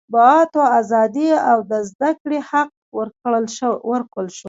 د مطبوعاتو ازادي او د زده کړې حق ورکړل شو.